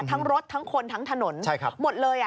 ทั้งรถทั้งคนทั้งถนนหมดเลย